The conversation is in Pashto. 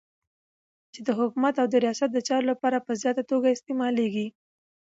چی د حکومت او د ریاست دچارو لپاره په زیاته توګه استعمالیږی